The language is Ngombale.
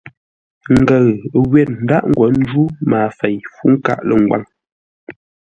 Ngəʉ ə́ ngwér ńdaghʼ ńgwó ńjǔ maafei-fú-nkâʼ-lə̂-ngwâŋ.